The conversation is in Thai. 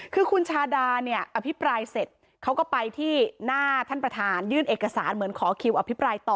คือคุณชาดาเนี่ยอภิปรายเสร็จเขาก็ไปที่หน้าท่านประธานยื่นเอกสารเหมือนขอคิวอภิปรายต่อ